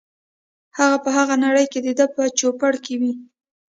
هغه په هغه نړۍ کې دده په چوپړ کې وي.